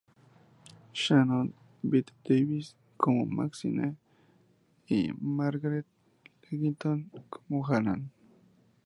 Shannon, Bette Davis como Maxine y Margaret Leighton como Hannah.